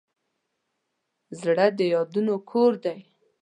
زړه د یادونو کور دی.